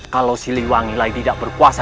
kalau si liwangi lagi tidak berkuasa